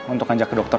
untuk kanjak ke dokter